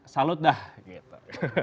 salud dah gitu